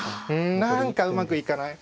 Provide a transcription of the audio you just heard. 何かうまくいかない。